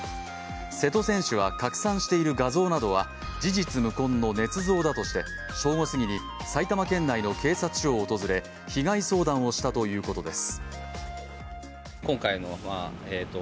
瀬戸選手は拡散している画像などは事実無根のねつ造だとして正午過ぎに埼玉県内の警察署を訪れ被害相談をしたということです。